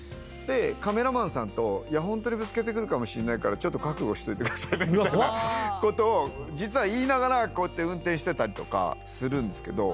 カメラマンさんとホントにぶつけてくるかもしれないから覚悟しといてくださいねみたいなことを実は言いながらこうやって運転してたりとかするんですけど。